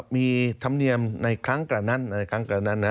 มีธรรมเนียมในครั้งกระนั้นนะครับ